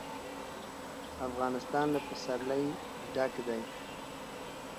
افغانستان له پسرلی ډک دی.